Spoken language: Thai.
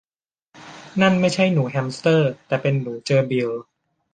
นั่นไม่ใช่หนูแฮมสเตอร์ แต่เป็นหนูเจอร์บิล